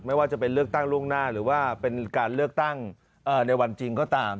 ไม่ว่าจะเป็นเลือกตั้งล่วงหน้าหรือว่าเป็นการเลือกตั้งในวันจริงก็ตาม